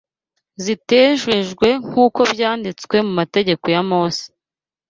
zitejejwe nk’uko byanditswe mu mategeko ya Mose